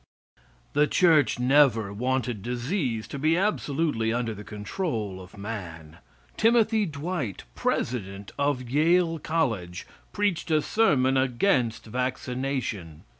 The Church never wanted disease to be absolutely under the control of man. Timothy Dwight, president of Yale College, preached a sermon against vaccination.